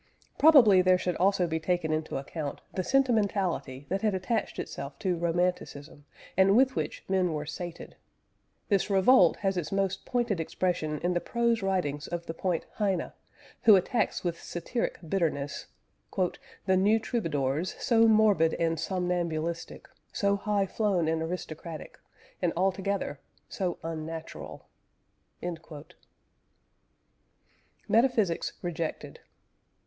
Probably there should also be taken into account the sentimentality that had attached itself to Romanticism and with which men were sated. This revolt has its most pointed expression in the prose writings of the poet Heine, who attacks with satiric bitterness "the new troubadours, so morbid and somnambulistic, so high flown and aristocratic, and altogether so unnatural." METAPHYSICS REJECTED.